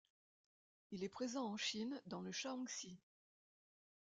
Il est présent en Chine dans le Shaanxi.